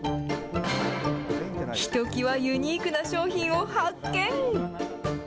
ひときわユニークな商品を発見。